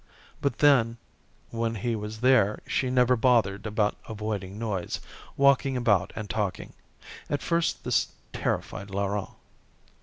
But then, when he was there she never bothered about avoiding noise, walking about and talking. At first this terrified Laurent.